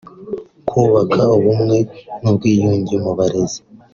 kubaka ubumwe n’ubwiyunge mu barezi